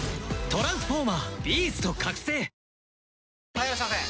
・はいいらっしゃいませ！